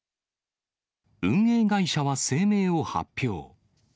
運営会社は声明を発表。